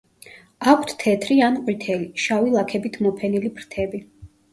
აქვთ თეთრი ან ყვითელი, შავი ლაქებით მოფენილი ფრთები.